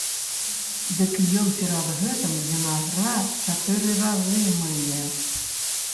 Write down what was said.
Дык ён перад гэтым вінаград чатыры разы мые.